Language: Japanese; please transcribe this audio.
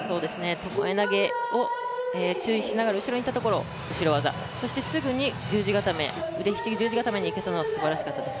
ともえ投げを注意しながら後ろにいったところを後ろ技そしてすぐに腕ひしぎ足固めにいけたのはすばらしかったです。